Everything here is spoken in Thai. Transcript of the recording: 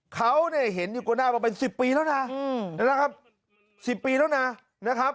เขาเนี่ยเห็นอยู่หน้ามาเป็น๑๐ปีแล้วนะนะครับ๑๐ปีแล้วนะนะครับ